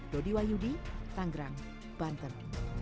dodiwayudi tanggerang banten